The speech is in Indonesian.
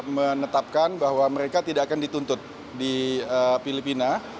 menetapkan bahwa mereka tidak akan dituntut di filipina